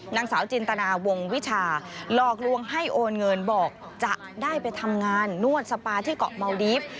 นางสาวจินตนาวงวิชาหลอกลวงให้โอนเงินบอกจะได้ไปทำงานนวดสปาที่เกาะเมาดีฟ